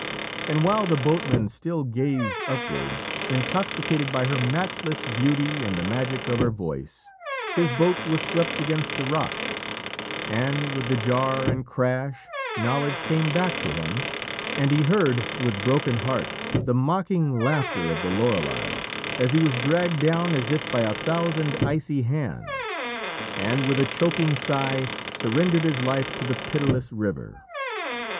And while the boatman still gazed upwards, intoxicated by her matchless beauty and the magic of her voice, his boat was swept against the rock, and, with the jar and crash, knowledge came back to him, and he heard, with broken heart, the mocking laughter of the Lorelei as he was dragged down as if by a thousand icy hands, and, with a choking sigh, surrendered his life to the pitiless river.